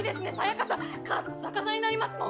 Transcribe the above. カッサカサになりますもん！